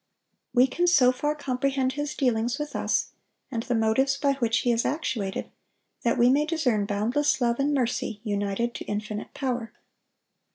(923) We can so far comprehend His dealings with us, and the motives by which He is actuated, that we may discern boundless love and mercy united to infinite power.